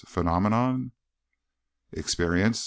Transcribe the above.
phenomenon?" "Experience?"